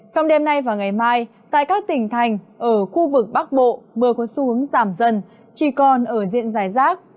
trong đêm nay và ngày mai tại các tỉnh thành ở khu vực bắc bộ mưa có xu hướng giảm dần chỉ còn ở diện dài rác